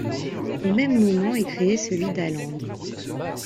Au même moment est créé celui d’Åland.